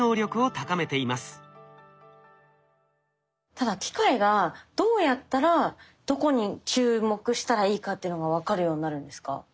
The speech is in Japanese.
ただ機械がどうやったらどこに注目したらいいかっていうのが分かるようになるんですか？